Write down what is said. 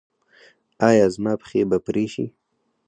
ایا زما پښې به پرې شي؟